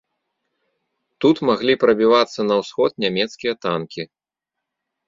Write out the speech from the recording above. Тут маглі прабівацца на ўсход нямецкія танкі.